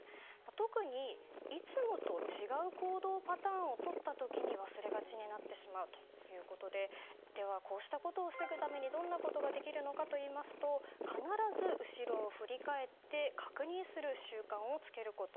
特に、いつもと違う行動パターンをとった時に忘れがちになってしまうということでこうしたことを防ぐためにどうするかというと後ろを振り返って確認する習慣をつけること。